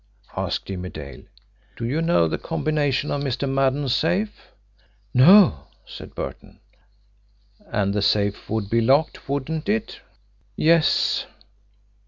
asked Jimmie Dale. "Do you know the combination of Mr. Maddon's safe?" "No," said Burton "And the safe would be locked, wouldn't it?" "Yes."